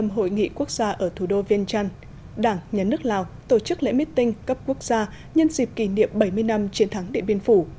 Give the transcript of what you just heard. vì quốc gia ở thủ đô vienchan đảng nhà nước lào tổ chức lễ mít tinh cấp quốc gia nhân dịp kỷ niệm bảy mươi năm chiến thắng địa biên phủ